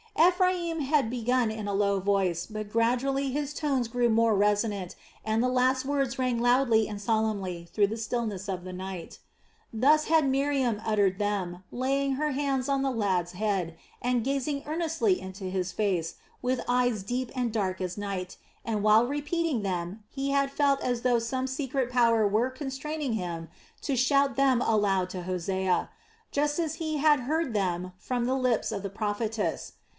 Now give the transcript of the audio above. Ephraim had begun in a low voice, but gradually his tones grew more resonant and the last words rang loudly and solemnly through the stillness of the night. Thus had Miriam uttered them, laying her hands on the lad's head and gazing earnestly into his face with eyes deep and dark as night, and while repeating them he had felt as though some secret power were constraining him to shout them aloud to Hosea, just as he had heard them from the lips of the prophetess.